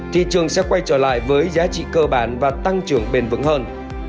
thị trường sẽ quay trở lại với giá trị cơ bản và tăng trưởng bền vững hơn